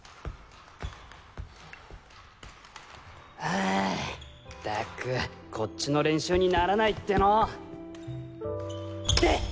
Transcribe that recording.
はっったくこっちの練習にならないっての。